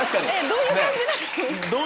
どういう感じなの？